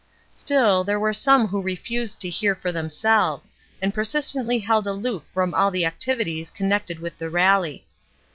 Still, there were some who refused to hear for themselves, and persistently held aloof from all the activities connected with the RaUy.